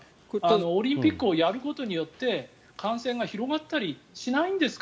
オリンピックをやることによって感染が広がったりしないんですか？